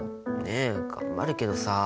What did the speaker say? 頑張るけどさ。